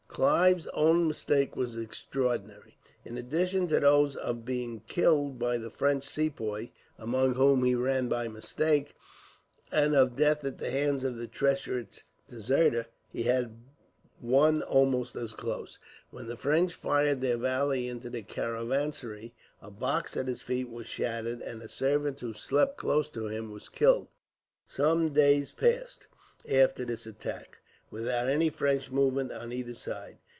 Clive's own escapes were extraordinary. In addition to those of being killed by the French Sepoys, among whom he ran by mistake, and of death at the hands of the treacherous deserter, he had one almost as close, when the French fired their volley into the caravansary. A box at his feet was shattered, and a servant who slept close to him was killed. Some days passed, after this attack, without any fresh movement on either side.